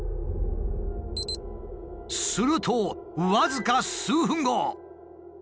すると僅か数分後。